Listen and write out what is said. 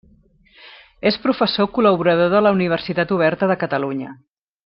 És professor col·laborador de la Universitat Oberta de Catalunya.